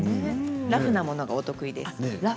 ラフなものがお得です。